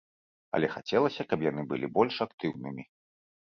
Але хацелася, каб яны былі больш актыўнымі.